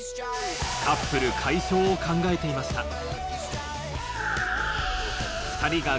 カップル解消を考えていました２人が